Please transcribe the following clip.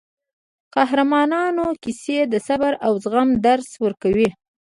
د قهرمانانو کیسې د صبر او زغم درس ورکوي.